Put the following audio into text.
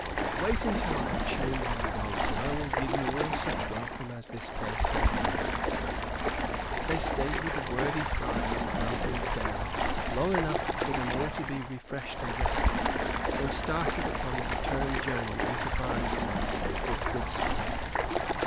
Wait until I have chained my dogs, and I will give you all such welcome as this place does know." They stayed with the worthy friar of Fountain's Dale long enough for them to be all refreshed and rested; then started upon the return journey into Barnesdale with good speed.